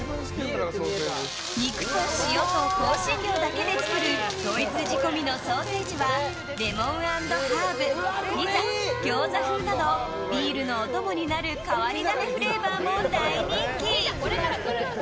肉と塩と香辛料だけで作るドイツ仕込みのソーセージはレモン＆ハーブピザ、餃子風などビールのお供になる変わり種フレーバーも大人気。